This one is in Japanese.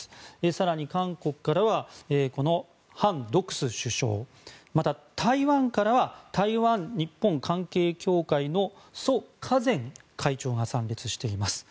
更に韓国からはハン・ドクス首相台湾からは台湾日本関係協会のソ・カゼン会長が参列しています。